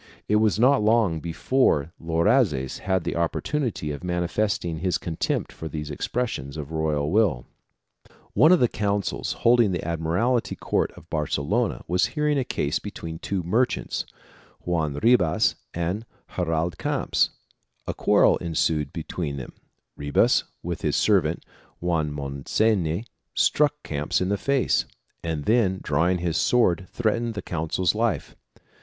It was not long before Loazes had the opportunity of manifesting his contempt for these expressions of the royal will. One of the consuls holding the admiralty court of Barcelona was hearing a case between two merchants, Joan Ribas and Gerald Camps: a quarrel ensued between them; Ribas with his servant Joan Monseny struck Camps in the face and then drawing his sword, threatened the consul's life.